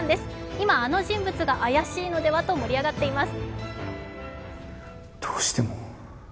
今、あの人物が怪しいのではと盛り上がってます。